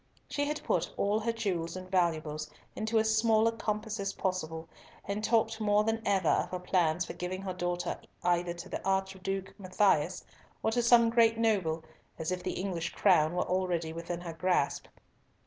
She had put all her jewels and valuables into as small a compass as possible, and talked more than ever of her plans for giving her daughter either to the Archduke Matthias, or to some great noble, as if the English crown were already within her grasp.